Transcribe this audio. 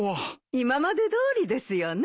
今までどおりですよね。